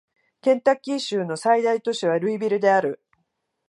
ケンタッキー州の最大都市はルイビルである